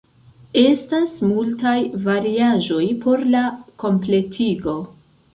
Estas multaj variaĵoj por la kompletigo.